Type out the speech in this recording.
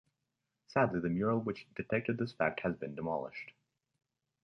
Sadly, the mural which depicted this fact has been demolished.